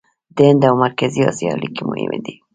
د هند او مرکزي اسیا اړیکې مهمې دي.